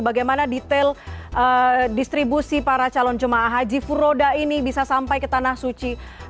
bagaimana detail distribusi para calon jemaah haji furoda ini bisa sampai ke tanah suci